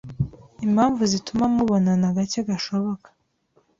impamvu zituma mubonana gake gashoboka.